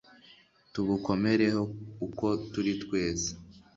tubukomereho uko turi twese